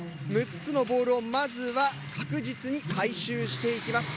６つのボールをまずは確実に回収していきます。